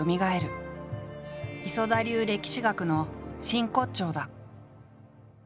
磯田流歴史学の真骨頂だ。